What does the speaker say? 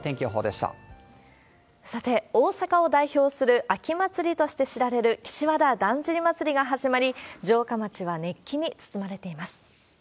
さて、大阪を代表する秋祭りとして知られる、岸和田だんじり祭が始まり、城下町は熱気に包まれています。